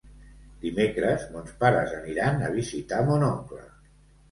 Dimecres mons pares aniran a visitar mon oncle.